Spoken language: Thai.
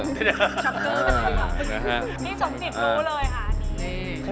พี่จงกิจรู้เลยค่ะ